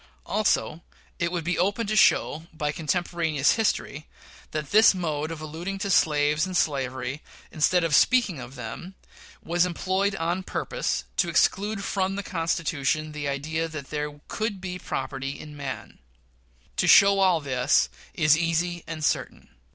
Also, it would be open to show, by contemporaneous history, that this mode of alluding to slaves and slavery, instead of speaking of them, was employed on purpose to exclude from the Constitution the idea that there could be property in man. To show all this, is easy and certain.